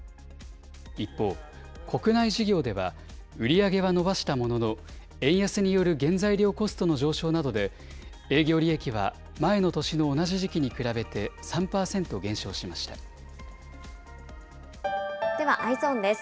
一方、国内事業では、売り上げは伸ばしたものの、円安による原材料コストの上昇などで、営業利益は前の年の同じ時期に比べて３％ではＥｙｅｓｏｎです。